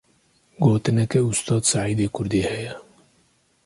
Gotineke Ustad Saîdê Kurdî heye.